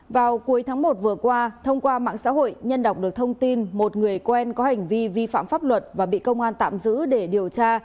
vào cuối tháng một vừa qua thông qua mạng xã hội nhân đọc được thông tin một người quen có hành vi vi phạm pháp luật và bị công an tạm giữ để điều tra